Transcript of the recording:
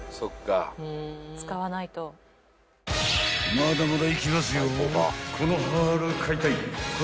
［まだまだいきますよ］